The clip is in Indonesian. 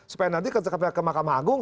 supaya nanti ketika ke mahkamah agung